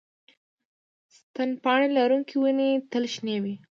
ستن پاڼې لرونکې ونې تل شنې وي